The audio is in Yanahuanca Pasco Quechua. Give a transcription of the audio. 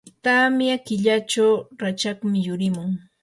tamya killachaw rachakmi yurimun.